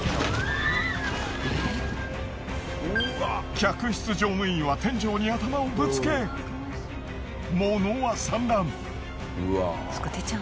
客室乗務員は天井に頭をぶつけ物は散乱。